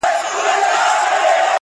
• ملاجان ته پته نه وه چي د چا سي ,